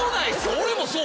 俺もそうよ。